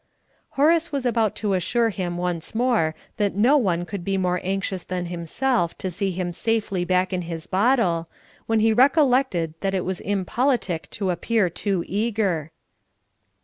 Horace was about to assure him once more that no one could be more anxious than himself to see him safely back in his bottle, when he recollected that it was impolitic to appear too eager.